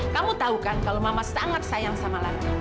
kamu tahu kan kalau mama sangat sayang sama lana